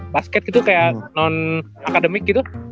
basket gitu kayak non akademik gitu